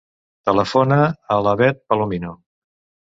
Telefona a la Bet Palomino.